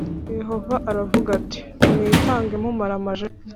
Yehova aravuga ati mwitange mumaramaje